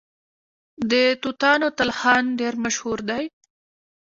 د توتانو تلخان ډیر مشهور دی.